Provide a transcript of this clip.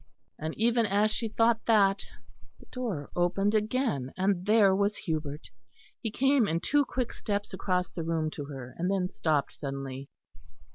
And even as she thought that, the door opened again, and there was Hubert. He came in two quick steps across the room to her, and then stopped suddenly.